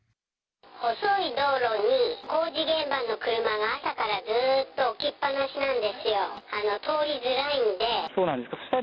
細い道路に工事現場の車が朝からずっと置きっ放しなんですよ、通りづらいんで。